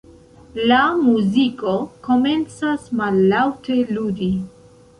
La muziko komencas mallaŭte ludi.